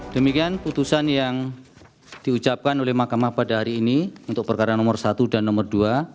demikian putusan yang diucapkan oleh mahkamah pada hari ini untuk perkara nomor satu dan nomor dua